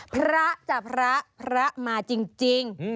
พระจะพระพระมาจริง